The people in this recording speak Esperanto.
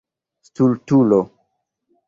Stultulo.